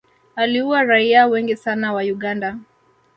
aliua raia wengi sana wa uganda